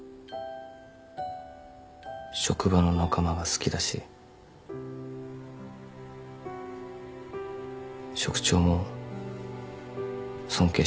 職場の仲間が好きだし職長も尊敬してる。